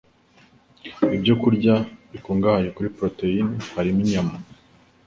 Ibyo kurya bikungahaye kuri poroteyine harimo inyama,